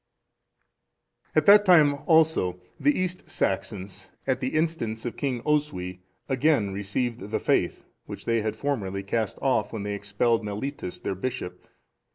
] At that time, also, the East Saxons, at the instance of King Oswy, again received the faith, which they had formerly cast off when they expelled Mellitus, their bishop.